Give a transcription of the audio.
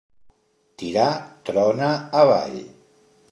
Tirar trona avall.